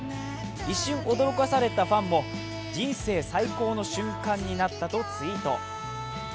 一瞬驚かされたファンも人生最高の瞬間になったとツイート。